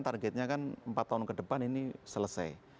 targetnya kan empat tahun ke depan ini selesai